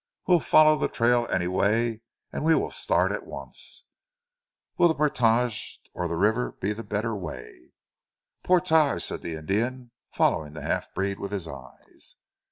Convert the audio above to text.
We'll follow the trail anyway; and we will start at once. Will the portage or the river be the better way?" "Portage," said the Indian, following the half breed with his eyes.